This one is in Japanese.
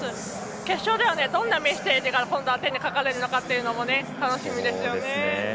決勝ではどんなメッセージが今度は手に書かれるかも楽しみですよね。